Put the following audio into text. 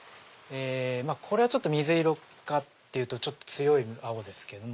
これは水色かっていうとちょっと強い青ですけども。